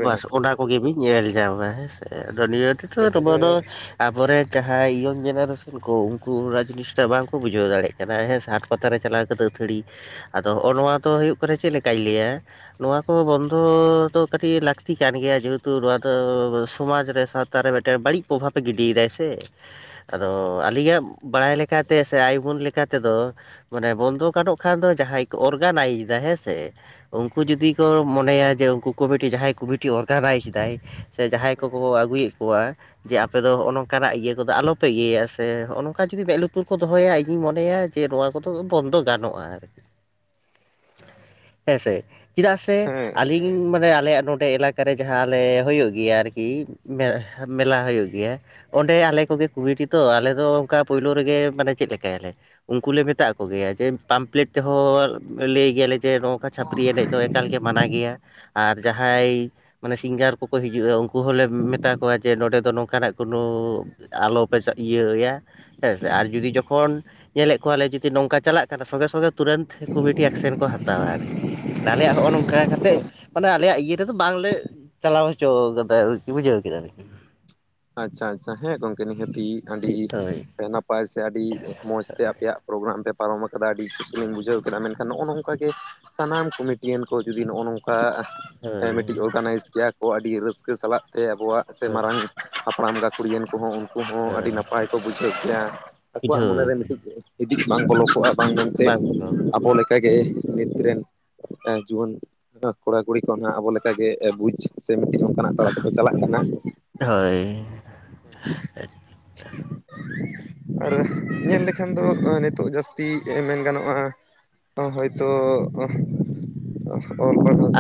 ᱵᱟᱥ ᱚᱱᱟ ᱠᱚᱜᱮ ᱵᱤᱱ ᱧᱮᱞ ᱧᱟᱢᱟ ᱦᱮᱸᱥᱮ ᱟᱫᱚ ᱱᱤᱭᱟᱹ ᱦᱮᱸ ᱛᱮᱫᱚ ᱛᱚᱵᱮ ᱢᱟᱱᱮ- ᱟᱵᱚᱨᱮ ᱡᱟᱦᱟᱸᱭ ᱭᱚᱝ ᱡᱮᱱᱟᱨᱮᱥᱚᱱ ᱠᱚ ᱩᱱᱠᱩ ᱚᱱᱟ ᱡᱤᱱᱤᱥᱴᱟ ᱵᱟᱝᱠᱚ ᱵᱩᱡᱷᱟᱹᱣ ᱫᱟᱲᱮᱜ ᱠᱟᱱᱟ ᱦᱮᱸ ᱥᱟᱴ ᱯᱟᱛᱟᱨᱮ ᱪᱟᱞᱟᱣ ᱠᱟᱛᱮᱜ ᱟᱹᱛᱷᱟᱹᱲᱤ ᱟᱫᱚ ᱦᱚᱸᱜᱼᱚ ᱱᱚᱣᱟ ᱫᱚ ᱦᱩᱭᱩᱜ ᱠᱟᱱᱟ ᱪᱮᱫᱞᱮᱠᱟᱧ ᱞᱟᱹᱭᱟ? ᱱᱚᱣᱟ ᱠᱚ ᱵᱚᱱᱫᱚ ᱫᱚ ᱠᱟᱹᱴᱤᱡ ᱞᱟᱹᱠᱛᱤ ᱠᱟᱱ ᱜᱮᱭᱟ ᱡᱮᱦᱮᱛᱩ ᱱᱚᱣᱟ ᱫᱚ ᱥᱚᱢᱟᱡᱽ ᱨᱮ ᱥᱟᱶᱛᱟᱨ ᱨᱮ ᱢᱤᱫᱴᱮᱱ ᱵᱟᱹᱲᱤᱡ ᱯᱨᱚᱵᱷᱟᱵᱽᱯᱮ ᱜᱤᱰᱤᱭᱮᱫᱟᱭ ᱥᱮ᱾ [INAUDIBLE] ᱟᱫᱚ ᱟᱹᱞᱤᱧᱟᱜ ᱵᱟᱲᱟᱭ ᱞᱮᱠᱟᱛᱮ ᱥᱮ ᱟᱭᱵᱚᱱ ᱞᱮᱠᱟ ᱛᱮᱫᱚ ᱢᱟᱱᱮ ᱵᱚᱱᱫᱚ ᱜᱟᱱᱚᱜ ᱠᱷᱟᱱ ᱫᱚ ᱡᱟᱦᱟᱸᱟᱭ ᱠᱚ ᱚᱨᱜᱟᱱᱟᱭᱤᱡᱽ ᱮᱫᱟ ᱦᱮᱸᱥᱮ, ᱩᱱᱠᱩ ᱦᱮᱸ ᱡᱩᱫᱤ ᱠᱚ ᱢᱚᱱᱮᱭᱟ ᱡᱮ ᱩᱱᱠᱩ ᱠᱚᱢᱤᱴᱤ ᱡᱟᱦᱟᱸᱭ ᱠᱚᱢᱤᱴᱤ ᱚᱨᱜᱟᱱᱟᱭᱤᱡᱽ ᱫᱟᱭ᱾ ᱥᱮ ᱡᱟᱦᱟᱸᱭ ᱠᱚᱠᱚ ᱟᱹᱜᱩᱭᱮᱫ ᱠᱚᱣᱟ᱾ ᱡᱮ ᱟᱯᱮ ᱫᱚ ᱱᱚᱜᱼᱚ ᱱᱚᱝᱠᱟᱱᱟᱜ ᱤᱭᱟᱹ ᱠᱚᱫᱚ ᱟᱞᱚᱯᱮ ᱤᱭᱟᱹᱭᱟ ᱥᱮ ᱱᱚᱝᱠᱟ ᱡᱩᱫᱤ ᱢᱮᱫ ᱞᱩᱛᱩᱨ ᱠᱚ ᱫᱚᱦᱚᱭᱟ ᱤᱧᱤᱧ ᱢᱚᱱᱮᱭᱟ᱾ ᱠᱮ ᱱᱚᱣᱟ ᱠᱚᱫᱚ ᱵᱚᱱᱫᱚ ᱦᱮᱸ ᱜᱟᱱᱚᱜᱼᱟ ᱟᱨᱠᱤ᱾ ᱦᱮᱸᱥᱮ? ᱪᱮᱫᱟᱜ ᱥᱮ ᱦᱮᱸ ᱟᱹᱞᱤᱧ [UNINTELLIGIBLE] [UNINTELLIGIBLE] ᱟᱞᱮᱭᱟᱜ ᱱᱚᱸᱰᱮ ᱮᱞᱟᱠᱟᱨᱮ ᱡᱟᱦᱟᱸ ᱟᱞᱮ ᱦᱩᱭᱩᱜ ᱜᱮᱭᱟ ᱟᱨᱠᱤ, ᱢᱮᱞᱟ ᱦᱩᱭᱩᱜ ᱜᱮᱭᱟ᱾ ᱚᱸᱰᱮ ᱟᱞᱮ ᱠᱚᱜᱮ ᱠᱩᱢᱤᱴᱤ ᱛᱚ, ᱟᱞᱮ ᱫᱚ ᱚᱱᱠᱟ ᱯᱳᱭᱞᱳ ᱨᱮᱜᱮ ᱢᱟᱱᱮ ᱪᱮᱫ ᱞᱮᱠᱟᱭᱟᱞᱮ? ᱩᱱᱠᱩ ᱞᱮ ᱢᱮᱛᱟᱜ ᱠᱚᱜᱮᱭᱟ ᱡᱮ ᱯᱟᱢᱯᱞᱮᱴ ᱛᱮᱦᱚᱸ ᱞᱟᱹᱭ ᱜᱮᱭᱟᱞᱮ᱾ ᱡᱮ ᱱᱚᱝᱠᱟ ᱪᱷᱟᱹᱯᱨᱤ ᱮᱱᱮᱡ ᱫᱚ ᱮᱠᱟᱞ ᱜᱮ ᱢᱟᱱᱟ ᱜᱮᱭᱟ᱾ ᱟᱨ ᱡᱟᱦᱟᱸᱭ ᱢᱟᱱᱮ ᱥᱤᱝᱜᱟᱨ ᱠᱚᱠᱚ ᱦᱤᱡᱩᱜᱼᱟ, ᱩᱱᱠᱩ ᱦᱚᱸᱞᱮ ᱢᱮᱛᱟ ᱠᱚᱣᱟ ᱡᱮ ᱱᱚᱸᱰᱮ ᱫᱚ ᱱᱚᱝᱠᱟᱱᱟᱜ ᱠᱳᱱᱳ ᱟᱞᱚᱯᱮ ᱪᱟ ᱤᱭᱟᱹᱭᱟ ᱦᱮᱸ ᱥᱮ ᱟᱨ ᱡᱩᱫᱤ ᱡᱚᱠᱷᱚᱱ ᱧᱮᱞᱮᱜ ᱠᱚᱣᱟ ᱞᱮ ᱡᱩᱫᱤ ᱱᱚᱝᱠᱟ, ᱪᱟᱞᱟᱜ ᱠᱟᱱᱟ ᱥᱚᱸᱜᱮ ᱥᱚᱸᱜᱮ ᱛᱩᱨᱟᱹᱛ ᱠᱩᱢᱤᱫᱴᱤ ᱮᱠᱥᱮᱱ ᱠᱚ ᱦᱟᱛᱟᱣᱟ ᱟᱨᱠᱤ ᱟᱞᱮᱭᱟᱜ ᱦᱚᱸᱜᱼᱚᱭ ᱱᱚᱝᱠᱟ ᱠᱟᱛᱮ ᱮᱫ ᱾ ᱢᱟᱱᱮ ᱟᱞᱮᱭᱟᱜ ᱤᱭᱟᱹ ᱨᱮᱫᱚ ᱵᱟᱝᱞᱮ ᱪᱟᱞᱟᱣ ᱦᱚᱪᱚ ᱠᱟᱫᱟ ᱟᱨᱠᱤ ᱵᱩᱡᱷᱟᱹᱣ ᱠᱮᱫᱟ ᱵᱤᱱ ᱾ ᱟᱪᱪᱷᱟ ᱟᱪᱪᱷᱟ ᱦᱮᱸ ᱜᱚᱝᱠᱮ ᱱᱤᱦᱟᱹᱛᱤ ᱟᱹᱰᱤ ᱦᱳᱭ ᱱᱟᱯᱟᱭ ᱥᱮ ᱟᱹᱰᱤ ᱢᱚᱡᱽ ᱛᱮ ᱟᱯᱮᱭᱟᱜ ᱯᱨᱳᱜᱨᱟᱢ ᱯᱮ ᱯᱟᱨᱚᱢ ᱟᱠᱟᱫᱟ᱾ ᱟᱹᱰᱤ ᱠᱩᱥᱤᱞᱤᱧ ᱵᱩᱡᱷᱟᱹᱣ ᱠᱮᱫᱫᱟ ᱢᱮᱱᱠᱷᱟᱱ ᱱᱚᱜᱼᱚ ᱱᱚᱝᱠᱟ ᱜᱮ ᱥᱟᱱᱟᱢ, ᱠᱚᱢᱤᱴᱤᱭᱟᱱ ᱠᱚ ᱡᱩᱫᱤ ᱱᱚᱜᱼᱚ ᱱᱚᱝᱠᱟ ᱦᱳᱭ ᱢᱤᱫᱴᱤᱡ ᱚᱨᱜᱟᱱᱟᱭᱤᱡ ᱠᱮᱭᱟ ᱠᱚ᱾ ᱟᱹᱰᱤ ᱨᱟᱹᱥᱠᱟᱹ ᱥᱟᱞᱟᱜ ᱛᱮ ᱟᱵᱚᱣᱟᱜ ᱥᱮ ᱦᱳᱭ ᱢᱟᱨᱟᱝ ᱦᱟᱯᱲᱟᱢ ᱜᱟᱠᱩᱲᱮᱱ ᱠᱚᱦᱚᱸ ᱩᱱᱠᱩ ᱦᱚᱸ ᱟᱹᱰᱤ ᱦᱳᱭ ᱱᱟᱯᱟᱭ ᱠᱚ ᱵᱩᱡᱷᱟᱹᱣ ᱠᱭᱟ ᱟᱠᱚᱣᱟᱜ ᱵᱩᱡᱷᱟᱹᱣ ᱢᱚᱱᱮᱨᱮ ᱢᱤᱴᱤᱡ ᱵᱟᱝ ᱵᱚᱫᱚᱞ [UNINTELLIGIBLE] ᱟᱵᱚ ᱞᱮᱠᱟᱜᱮ᱾ ᱱᱤᱛ ᱨᱮᱱ ᱡᱩᱣᱟᱹᱱ ᱠᱚᱲᱟ ᱠᱩᱲᱤ ᱠᱚ ᱱᱟᱦᱜᱹ ᱟᱵᱚ ᱞᱮᱠᱮ ᱵᱩᱡᱽ ᱥᱮ ᱢᱤᱴᱤᱡ ᱦᱚᱸ ᱚᱱᱠᱟᱱᱟᱜ ᱛᱟᱲᱟ ᱛᱮᱠᱚ ᱪᱟᱞᱟᱜ ᱠᱟᱱᱟ᱾ ᱦᱳᱭ [UNINTELLIGIBLE] ᱟᱨ ᱧᱮᱞ ᱞᱮᱠᱷᱟᱱ ᱫᱚ ᱱᱤᱛᱚᱜ ᱡᱟᱹᱥᱛᱤ ᱢᱮᱱ ᱜᱟᱱᱚᱜᱼᱟ᱾ ᱚ ᱦᱚᱭᱛᱚ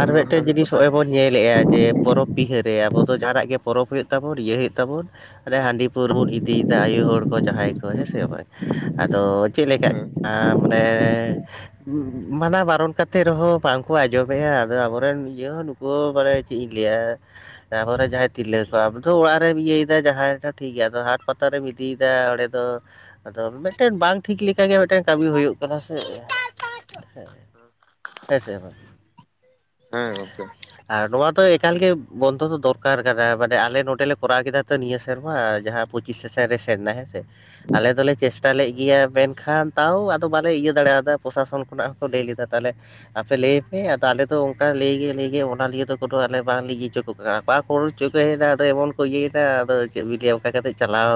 ᱟᱨ ᱢᱤᱴᱮᱱ ᱡᱤᱱᱤᱥ ᱱᱚᱜᱼᱚᱭ ᱵᱚᱱ ᱧᱮᱞᱮᱫᱼᱟ ᱡᱮ ᱯᱚᱨᱚᱵᱽ ᱵᱤᱦᱟᱹᱨᱮ ᱟᱵᱚ ᱡᱟᱦᱱᱟᱜ ᱜᱮ ᱯᱚᱨᱚᱵᱽ ᱦᱩᱭᱩᱜ ᱛᱟᱵᱚᱱ ᱤᱭᱟᱹ ᱦᱩᱭᱩᱜ ᱛᱟᱵᱚᱱ ᱦᱟᱺᱰᱤ ᱯᱟᱹᱣᱟᱹ ᱵᱚᱱ ᱤᱫᱤᱭ ᱮᱫᱟ ᱟᱭᱳ ᱦᱚᱲ ᱠᱚ ᱡᱟᱦᱟᱸᱭ ᱠᱚ ᱦᱮᱸᱥᱮ ᱵᱟᱝ ᱟᱫᱚ ᱪᱮᱫ ᱞᱮᱠᱟ ᱦᱮᱸ ᱠᱟᱱᱟ ᱢᱟᱱᱮ ᱢᱟᱱᱟ ᱵᱟᱨᱚᱱ ᱠᱟᱛᱮ ᱨᱮᱦᱚᱸ ᱵᱟᱝᱠᱚ ᱟᱸᱡᱚᱢ [UNINTELLIGIBLE] ᱟᱵᱚᱨᱮᱱ ᱤᱭᱟᱹ ᱦᱚᱸ ᱱᱩᱠᱩ ᱢᱟᱱᱮ ᱪᱮᱫ ᱤᱧ ᱞᱟᱹᱭᱟ ᱟᱵᱳᱨᱮ ᱡᱟᱦᱟᱸᱭ ᱛᱤᱨᱞᱟᱹ ᱠᱚᱣᱟᱜ ᱟᱢ ᱫᱚ ᱚᱲᱟᱜ ᱨᱮᱢ ᱤᱭᱟᱹᱭᱮᱫᱟ ᱡᱟᱦᱟᱭ ᱫᱟ ᱴᱷᱤᱠ ᱜᱮᱭᱟ, ᱟᱫᱚ ᱦᱟᱴ ᱯᱟᱛᱟ ᱨᱮᱢ ᱤᱫᱤᱭᱫᱟ ᱚᱸᱰᱮ ᱟᱫᱚ ᱟᱫᱚ ᱢᱤᱫᱴᱮᱱ ᱵᱟᱝ ᱴᱷᱤᱠ ᱞᱮᱠᱟᱜᱮ ᱢᱮᱫᱴᱮᱱ ᱠᱟᱹᱢᱤ ᱦᱩᱭᱩᱜ ᱠᱟᱱᱟ ᱥᱮ [UNINTELLIGIBLE] ᱦᱮᱸ ᱦᱮᱸ ᱥᱮ ᱵᱟ ᱦᱮᱸ ᱜᱚᱝᱠᱮ᱾ ᱟᱨ ᱱᱚᱣᱟ ᱫᱚ ᱮᱠᱟᱞ ᱜᱮ ᱵᱚᱱᱫᱚ ᱫᱚ ᱫᱚᱨᱠᱟᱨ ᱠᱟᱱᱟ᱾ ᱢᱟᱱᱮ ᱟᱞᱮ ᱱᱚᱰᱮ ᱞᱮ ᱠᱚᱨᱟᱣ ᱠᱮᱫᱟ ᱛᱚ ᱱᱤᱭᱟᱹ ᱥᱮᱨᱢᱟ ᱡᱟᱦᱟᱸ ᱯᱚᱸᱪᱤᱥ ᱥᱮᱥᱮᱱ ᱨᱮ ᱥᱮᱱ ᱱᱟ ᱦᱮᱸ ᱥᱮ ᱟᱞᱮ ᱫᱚᱞᱮ ᱪᱮᱥᱴᱟ ᱞᱮᱫ ᱜᱮᱭᱟ ᱢᱮᱱᱠᱷᱟᱱ ᱛᱟᱣ ᱟᱫᱚ ᱵᱟᱞᱮ ᱤᱭᱟᱹ ᱫᱟᱲᱮᱭᱟᱫᱟ᱾ ᱯᱨᱚᱥᱟᱥᱚᱱ ᱠᱷᱚᱱᱟᱜ ᱦᱚᱸᱠᱚ ᱞᱟᱹᱭ ᱞᱮᱫᱟ, ᱛᱟᱦᱞᱮ ᱟᱯᱮ ᱞᱟᱹᱭᱯᱮ ᱛᱚ ᱟᱞᱮᱫᱚ ᱚᱝᱠᱟ ᱞᱟᱹᱭᱜᱮ ᱞᱟᱹᱭᱜᱮ ᱚᱱᱟ ᱞᱤᱭᱮ ᱫᱚ ᱠᱳᱱᱳ ᱟᱞᱮ ᱵᱟᱝ [UNINTELLIGIBLE] ᱦᱚᱪᱚ ᱠᱚ ᱠᱟᱱᱟ ᱵᱟ ᱠᱚ ᱦᱚᱪᱚ ᱠᱚᱮ ᱦᱮᱡᱫᱟ ᱟᱫᱚ ᱮᱢᱚᱱ ᱤᱭᱟᱹᱭᱫᱟ ᱟᱫᱚ ᱪᱮᱫ ᱵᱤᱱ ᱞᱟᱭᱟ ᱚᱱᱠᱟ ᱠᱟᱛᱮᱫ ᱪᱟᱞᱟᱣ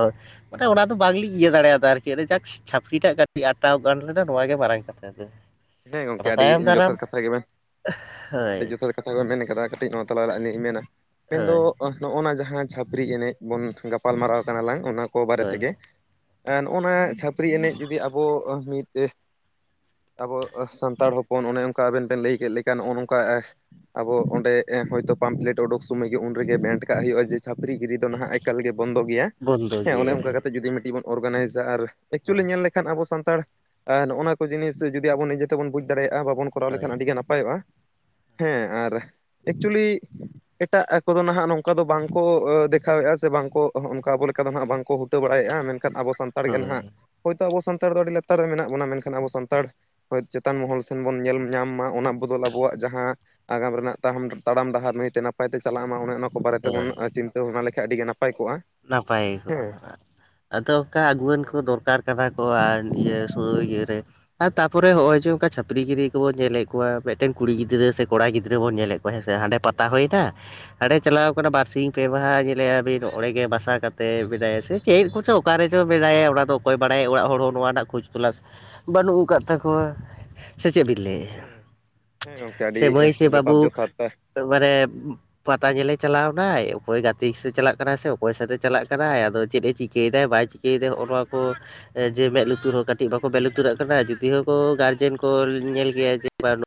ᱢᱟᱱᱮ ᱚᱱᱟ ᱫᱚ ᱵᱟᱝᱞᱤᱧ ᱤᱭᱟᱹ ᱫᱟᱲᱮ ᱭᱟᱫᱟ ᱟᱨᱠᱤ ᱟ ᱡᱟᱠ ᱪᱷᱟᱯᱨᱤ ᱴᱟᱜ ᱠᱟᱹᱴᱤᱡ ᱟᱴᱟᱣ ᱜᱟᱱ ᱞᱮᱱᱟ ᱱᱚᱣᱟᱜᱮ ᱢᱟᱨᱟᱝ ᱠᱟᱼᱼ [UNINTELLIGIBLE] ᱦᱮᱸ ᱜᱚᱝᱠᱮ ᱟᱹᱰᱤ ᱡᱚᱛᱷᱟᱛ ᱠᱟᱛᱷᱟ ᱜᱮᱵᱮᱱ ᱦᱳᱭ ᱟᱹᱰᱤ ᱡᱚᱛᱷᱟᱛ ᱠᱟᱛᱷᱟ ᱠᱚ ᱢᱮᱱ ᱠᱟᱫᱟ᱾ ᱠᱟᱹᱴᱤᱡ ᱱᱚᱣᱟ ᱛᱟᱞᱟᱨᱮ ᱟᱞᱤᱧ ᱢᱮᱱᱟ [UNINTELLIGIBLE] ᱫᱚ ᱦᱳᱭ ᱱᱚᱜᱼᱚ ᱱᱟ ᱡᱟᱦᱟᱸ ᱪᱷᱟᱯᱨᱤ ᱮᱱᱮᱡ ᱵᱚᱱ ᱜᱟᱯᱟᱞ ᱢᱟᱨᱟᱣ ᱠᱟᱱᱟ ᱞᱟᱝ ᱚᱱᱟ ᱠᱚ ᱵᱟᱨᱮ ᱦᱳᱭ ᱛᱮᱜᱮ ᱱᱚᱜᱼᱚ ᱱᱚᱣᱟ ᱪᱷᱟᱹᱯᱨᱤ ᱮᱱᱮᱡ ᱡᱩᱫᱤ ᱟᱵᱚ ᱢᱤᱫ ᱟᱵᱚ ᱥᱟᱱᱛᱟᱲ ᱦᱚᱯᱚᱱ ᱚᱱᱮ ᱚᱱᱠᱟ ᱟᱵᱮᱱ ᱵᱮᱱ ᱞᱟᱹᱭ ᱠᱮᱫ ᱞᱮᱠᱟ᱾ ᱱᱚᱜᱼᱚ ᱱᱚᱝᱠᱟ ᱟᱵᱚ ᱚᱸᱰᱮ ᱮ ᱦᱚᱭᱛᱳ ᱯᱟᱢᱯᱞᱮᱴ ᱩᱰᱩᱠ ᱥᱚᱢᱚᱭ ᱜᱮ ᱩᱱ ᱨᱮᱜᱮ ᱵᱮᱱᱴ ᱠᱟᱜ ᱦᱩᱭᱩᱜᱼᱟ᱾ ᱡᱮ ᱪᱷᱟᱯᱨᱤ ᱜᱤᱨᱤ ᱱᱟᱦᱟᱜ ᱮᱠᱟᱞ ᱜᱮ ᱵᱚᱱᱫᱚ ᱜᱮᱭᱟ ᱵᱚᱱᱫᱚ ᱦᱮᱸ ᱚᱱᱮ ᱜᱮ ᱚᱱᱠᱟ ᱠᱟᱛᱮ ᱡᱩᱫᱤ ᱢᱤᱫᱴᱤ ᱵᱚᱱ ᱚᱨᱜᱟᱱᱟᱭᱤᱡᱟ ᱟᱨ ᱦᱳᱭ ᱮᱠᱪᱩᱭᱤ ᱧᱮᱞ ᱞᱮᱼᱼ ᱠᱷᱟᱱ ᱟᱵᱚ ᱥᱟᱱᱛᱟᱲ ᱱᱚᱜᱼᱚ ᱱᱚᱣᱟ ᱠᱚ ᱡᱤᱱᱤᱥ, ᱡᱩᱫᱤ ᱟᱵᱚ ᱱᱤᱡᱮ ᱛᱮᱵᱚᱱ ᱵᱩᱡᱽ ᱫᱟᱲᱮᱭᱟᱜᱼᱟ ᱵᱟᱵᱚᱱ ᱠᱚᱨᱟᱣ ᱦᱳᱭ ᱞᱮᱠᱷᱟᱱ ᱟᱹᱰᱤᱜᱮ ᱱᱟᱯᱟᱭᱚᱜᱼᱟ᱾ ᱦᱮᱸ ᱟᱨ ᱮᱠᱪᱩᱭᱮᱞᱤ ᱮᱴᱟᱜ ᱠᱚᱫᱚ ᱱᱟᱦᱟᱜ ᱱᱚᱝᱠᱟ ᱫᱚ, ᱵᱟᱝ ᱠᱚ ᱫᱮᱠᱷᱟᱣᱮᱫᱼᱟ᱾ ᱥᱮ ᱵᱟᱝ ᱠᱚ ᱚᱱᱠᱟ ᱟᱵᱚ ᱞᱮᱠᱟ ᱫᱚ ᱱᱟᱜ ᱵᱟᱝ ᱠᱚ ᱩᱴᱟᱹ ᱵᱟᱲᱟᱭᱮᱜᱼᱟ ᱢᱮᱱᱠᱷᱟᱱ ᱟᱵᱚ ᱥᱟᱱᱛᱟᱲ ᱜᱮ ᱦᱳᱭ ᱱᱟᱦᱟᱸᱜ ᱦᱚᱭᱛᱚ ᱟᱵᱚ ᱥᱟᱱᱛᱟᱲ ᱫᱚ ᱟᱹᱰᱤ ᱞᱟᱛᱟᱨ ᱨᱮ ᱢᱮᱱᱟᱜ ᱵᱚᱱᱟ ᱢᱮᱱᱠᱷᱟᱱ ᱟᱵᱚ ᱥᱟᱱᱛᱟᱲ ᱦᱳᱭ, ᱪᱮᱛᱟᱱ ᱢᱚᱦᱚᱞ ᱥᱮᱱ ᱵᱚᱱ ᱧᱮᱞ ᱧᱟᱢ ᱢᱟ ᱚᱱᱟ ᱵᱚᱫᱚᱞ ᱟᱵᱚᱣᱟᱜ ᱡᱟᱦᱟᱸ ᱟᱜᱟᱢ ᱨᱮᱱᱟᱜ ᱛᱟᱦᱟᱢ, ᱛᱟᱲᱟᱢ ᱰᱟᱦᱟᱨ ᱱᱟᱭᱛᱮ ᱱᱟᱯᱟᱭ ᱛᱮ ᱪᱟᱞᱟᱜ ᱢᱟ ᱚᱱᱮ ᱚᱱᱟ ᱠᱚ ᱵᱟᱨᱮ ᱛᱮᱵᱚᱱ ᱦᱳᱭ ᱪᱤᱱᱛᱟᱹ ᱵᱷᱟᱱᱟ ᱞᱮᱠᱷᱟᱡ ᱟᱹᱰᱤ ᱜᱮ ᱱᱟᱯᱟᱭ ᱠᱚᱜᱼᱟ ᱾ ᱱᱟᱯᱟᱭ ᱠᱚᱜ ᱟ, ᱟᱫᱚ ᱚᱠᱟ ᱟᱜᱩᱣᱟᱹᱱ ᱠᱚ ᱫᱚᱨᱠᱟᱨ ᱠᱟᱱᱟ ᱠᱚ ᱟᱨ ᱤᱭᱟᱹ ᱥᱩᱭ ᱤᱭᱟᱹ ᱨᱮ ᱟᱨ ᱛᱟᱯᱚᱨᱮ ᱚᱜ ᱚᱭ ᱡᱮ ᱠᱟ ᱪᱷᱟᱯᱨᱤ ᱜᱤᱨᱤ ᱠᱚᱵᱚᱱ ᱧᱮᱞᱮᱜ ᱠᱚᱣᱟ ᱢᱤᱫᱴᱮᱱ ᱠᱩᱲᱤ ᱜᱤᱫᱽᱨᱟᱹ ᱥᱮ ᱠᱚᱲᱟ ᱜᱤᱫᱽᱨᱟᱹ ᱵᱚᱱ ᱧᱮᱞᱮᱜ ᱦᱮᱸ ᱥᱮ ᱦᱟᱸᱰᱮ ᱯᱟᱛᱟ ᱦᱳᱭᱱᱟ ᱦᱟᱸᱰᱮ ᱪᱟᱞᱟᱣ ᱠᱟᱱᱟ ᱵᱟᱨᱥᱤᱧ ᱯᱮ ᱢᱟᱦᱟ ᱧᱮᱞᱮᱭᱟ ᱵᱤᱱ ᱚᱸᱲᱮ ᱜᱮ ᱵᱟᱥᱟ ᱠᱟᱛᱮ ᱢᱮᱱᱟᱭᱟ ᱥᱮ ᱪᱮᱜ ᱠᱚᱪᱚ ᱚᱠᱟᱨᱮ ᱪᱚ ᱢᱮᱱᱟᱭᱟ ᱚᱱᱟ ᱫᱚ ᱚᱠᱚᱭ ᱵᱟᱲᱟᱭᱟ ᱚᱲᱟᱜ ᱦᱚᱲ ᱦᱚᱸ ᱱᱚᱣᱟ ᱨᱮᱱᱟᱜ ᱠᱷᱳᱡ ᱛᱚᱞᱟᱥ ᱵᱟᱹᱱᱩᱜ ᱟᱠᱟᱫ ᱛᱟᱠᱚᱣᱟ ᱥᱮ ᱪᱮᱜ ᱵᱤᱱ ᱞᱟᱹᱭ ᱮᱜᱟ ᱦᱮᱸ ᱦᱮᱸ ᱜᱚᱝᱠᱮ ᱟᱹᱰᱤ ᱥᱮ ᱢᱟᱹᱭ ᱥᱮ ᱡᱚᱛᱷᱟᱛ ᱵᱟᱵᱩ? ᱡᱚᱛᱷᱟᱛ ᱢᱟᱱᱮ ᱯᱟᱛᱟ ᱧᱮᱞᱮ ᱪᱟᱞᱟᱣᱱᱟᱭ ᱚᱠᱚᱭ ᱜᱟᱛᱮ ᱥᱮ ᱪᱟᱞᱟᱜ ᱠᱟᱱᱟᱭ ᱥᱮ ᱚᱠᱚᱭ ᱥᱟᱶᱛᱮ ᱪᱟᱞᱟᱜ ᱠᱟᱱᱟᱭ ᱟᱫᱚ ᱪᱮᱫ ᱮ ᱪᱤᱠᱟᱹᱭᱫᱟᱭ ᱵᱟᱭ ᱪᱤᱠᱟᱹᱭᱫᱟᱭ ᱦᱚᱜᱼᱚ ᱱᱚᱣᱟ ᱠᱚ ᱡᱮ ᱢᱮᱸᱫ ᱞᱩᱛᱩᱨ ᱦᱚᱸ ᱠᱟᱴᱤᱡ ᱵᱟᱠᱚ ᱢᱮᱸᱫ ᱞᱩᱛᱩᱨᱟᱜ ᱠᱟᱱᱟ ᱡᱩᱫᱤᱣ ᱠᱚ ᱜᱟᱨᱡᱮᱱ ᱠᱚ ᱧᱮᱞ ᱜᱮᱭᱟ ᱡᱮᱼᱼ